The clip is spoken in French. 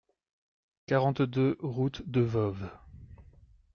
quarante-deux route de Voves